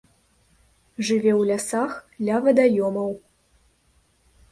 Жыве ў лясах, ля вадаёмаў.